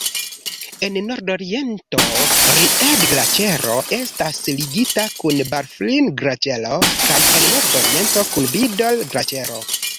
En nordoriento Ried-Glaĉero Estas ligita kun Balfrin-Glaĉero kaj en nordoriento kun Bider-Glaĉero.